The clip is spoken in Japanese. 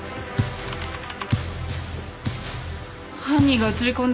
犯人が写りこんだ